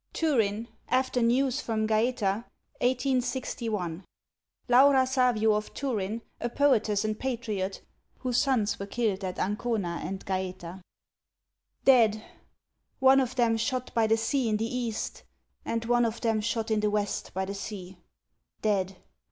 TURIN, AFTER NEWS FROM GAETA, 1861. Laura Savio of Turin, a poetess and patriot, whose sons were killed at Ancona and Gaëta. Dead! one of them shot by the sea in the east, And one of them shot in the west by the sea. Dead!